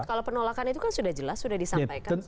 kalau penolakan itu kan sudah jelas sudah disampaikan